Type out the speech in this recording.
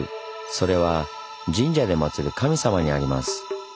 それは神社で祀る神様にあります。